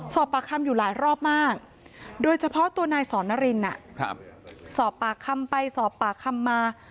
สอบปากคำอยู่หลายรอบมากโดยเฉพาะตัวนายสอนนารินสอบปากคำไปสอบปากคำมา